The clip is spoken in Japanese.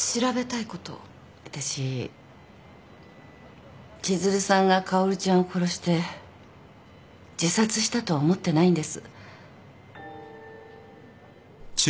私千鶴さんがかおりちゃんを殺して自殺したとは思ってないんです。